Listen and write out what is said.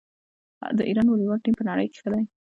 د ایران والیبال ټیم په نړۍ کې ښه دی.